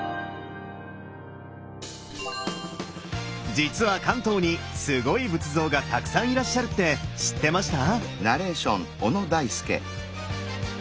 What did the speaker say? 実は関東にすごい仏像がたくさんいらっしゃるって知ってました？